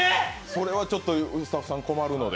それはちょっとスタッフさん困るので。